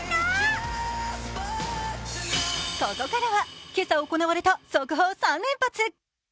ここからは今朝行われた速報３連発。